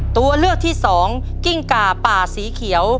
ตัวเลือกที่๒กิ้งก่าป่าสีกล้า